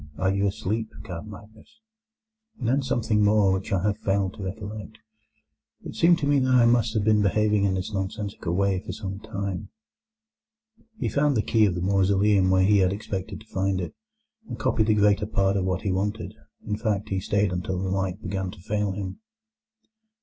Are you asleep, Count Magnus?' and then something more which I have failed to recollect. It seemed to me that I must have been behaving in this nonsensical way for some time." He found the key of the mausoleum where he had expected to find it, and copied the greater part of what he wanted; in fact, he stayed until the light began to fail him.